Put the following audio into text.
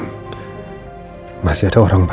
good luck ya teman teman